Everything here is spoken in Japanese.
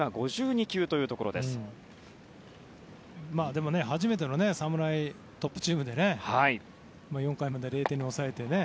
でも、初めての侍トップチームで４回まで０点に抑えてね。